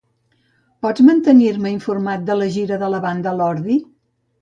Pots mantenir-me informat de la gira de la banda Lordi?